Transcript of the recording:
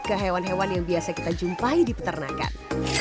ke hewan hewan yang biasa kita jumpai di peternakan